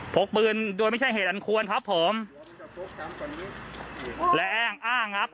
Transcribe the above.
พกปืนโดยไม่ใช่เหตุอันควรครับผมและอ้างอ้างครับ